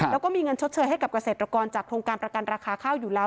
แล้วก็มีเงินชดเชยให้กับเกษตรกรจากโครงการประกันราคาข้าวอยู่แล้ว